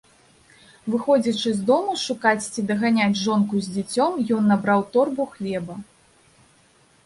Выходзячы з дому шукаць ці даганяць жонку з дзіцем, ён набраў торбу хлеба.